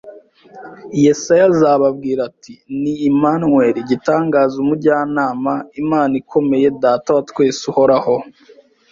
Yesaya azababwira ati : Ni Immanueli. Igitangaza, umujyanama, Imana ikomeye, Data wa twese uhoraho,